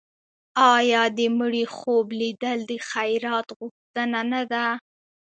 آیا د مړي خوب لیدل د خیرات غوښتنه نه ده؟